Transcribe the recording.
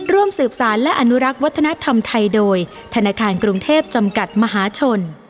ร่วมสืบสารและอนุรักษ์วัฒนธรรมไทยโดยธนาคารกรุงเทพจำกัดมหาชน